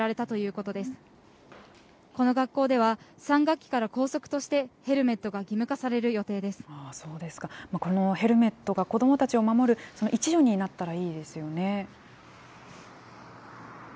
この学校では、３学期から校則としてヘルメットが義務化される予ヘルメットが子どもたちを守る一助になったらいいですよね。